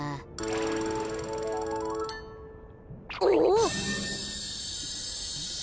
おっ！